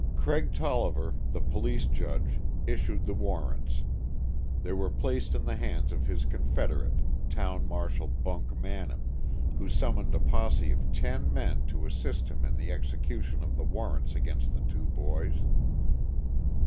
Craig Tolliver, the police judge, issued the warrants. They were placed in the hands of his confederate, Town Marshal Bunk Mannin, who summoned a posse of ten men to assist him in the execution of the warrants against the two boys.